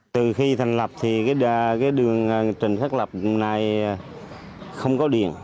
từ khi thành lập thì đường trị khắc lập hôm nay không có điện